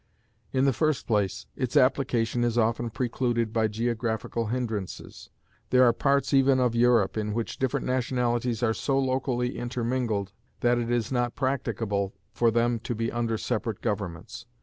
In the first place, its application is often precluded by geographical hindrances. There are parts even of Europe in which different nationalities are so locally intermingled that it is not practicable for them to be under separate governments.